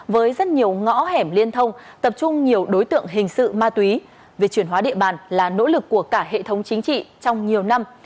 với rất nhiều ngõ hẻm liên thông tập trung nhiều đối tượng hình sự ma túy việc chuyển hóa địa bàn là nỗ lực của cả hệ thống chính trị trong nhiều năm